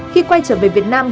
khi quay trở về việt nam